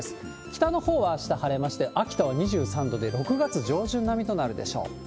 北のほうはあした晴れまして、秋田は２３度で６月上旬並みとなるでしょう。